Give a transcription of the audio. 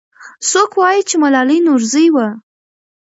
څوک وایي چې ملالۍ نورزۍ وه؟